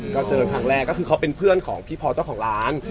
ก็เจอครั้งแรกก็คือเขาเป็นเพื่อนของพี่พอเจ้าของร้าน